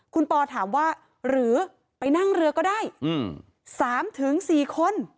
คุณปอถามว่าหรือไปนั่งเรือก็ได้๓๔คน